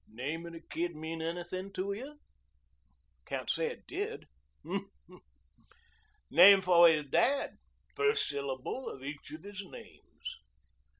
"Name of the kid mean anything to you?" "Can't say it did." "Hm! Named for his dad. First syllable of each of his names."